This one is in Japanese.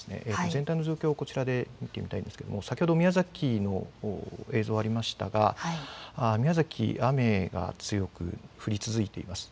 全体の状況をこちらで見てみたいんですけれども、先ほど、宮崎の映像ありましたが、宮崎、雨が強く降り続いています。